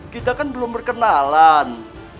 kita kan belum berkenalan